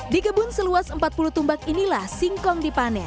di kebun seluas empat puluh tumbak inilah singkong dipanen